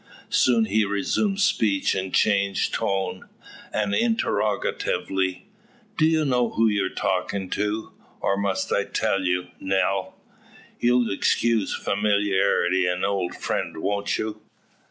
Soon he resumes speech in changed tone, and interrogatively: "Do you know who's talking to you? Or must I tell you, Nell? You'll excuse familiarity in an old friend, won't you?"